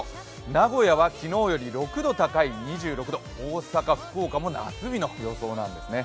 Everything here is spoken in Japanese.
名古屋は昨日より６度高い２６度、大阪、福岡も夏日の予想なんですね。